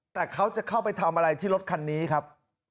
แต่เขาจะเข้าไปทำอะไรที่รถคันนี้ครับ